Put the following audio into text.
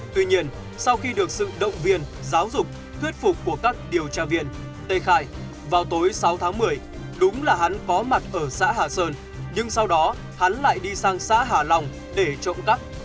tuy nhiên sau khi được sự động viên giáo dục thuyết phục của các điều tra viên tê khai vào tối sáu tháng một mươi đúng là hắn có mặt ở xã hà sơn nhưng sau đó hắn lại đi sang xã hà long để trộm cắp